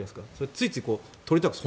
ついつい撮りたくなる。